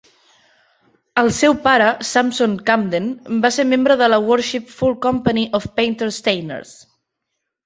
El seu pare, Sampson Camden, va ser membre de la Worshipful Company of Painter-Stainers.